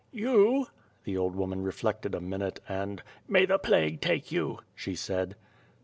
"You?" the old woman reflected a minute and "May the plague take you," she said.